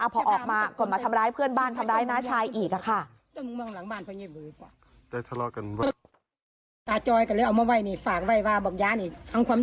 พอออกมาก็มาทำร้ายเพื่อนบ้านทำร้ายน้าชายอีกค่ะ